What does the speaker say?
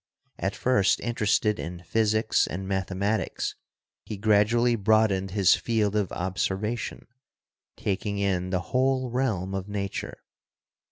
At first interested in Physics and Mathematics, he gradually broadened his field of observation, taking in the whole realm of Nature.